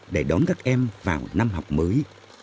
để đón các em vào năm học mới